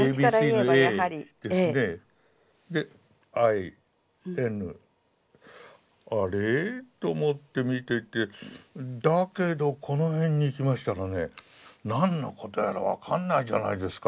で「Ｉ」「Ｎ」あれ？と思って見ていてだけどこの辺に行きましたらね何のことやら分かんないじゃないですか。